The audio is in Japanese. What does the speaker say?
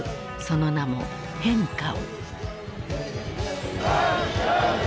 その名も「変化を！」。